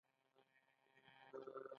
د بادرنګ پوستکی د لکو لپاره وکاروئ